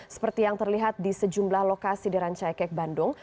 seperti yang terlihat di sejumlah lokasi di rancaikek bandung